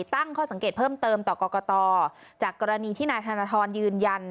ตั้งข้อสังเกตเพิ่มเติมต่อกรกตจากกรณีที่นายธนทรยืนยัน